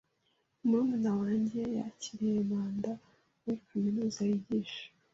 Murumuna wanjye yakiriye manda muri kaminuza yigisha.